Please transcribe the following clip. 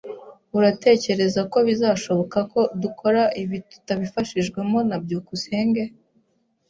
Uratekereza ko bizashoboka ko dukora ibi tutabifashijwemo na byukusenge?